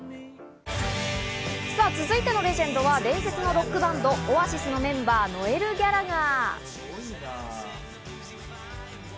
続いてのレジェンドは伝説のロックバンド、オアシスのメンバー、ノエル・ギャラガー。